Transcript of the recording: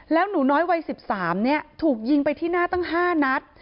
แล้วหนูน้อยวัย๑๓ถูกยิงไปที่หน้าตั้ง๕นัด